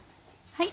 はい。